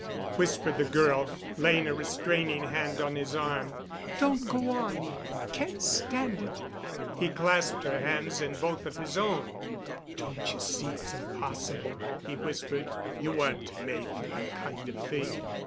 whispered the girl, laying a restraining hand on his arm, "don't go on! I can't stand it." He clasped her hands in both of his own. "Don't you see it's impossible?" he whispered. "You weren't made for that kind of thing.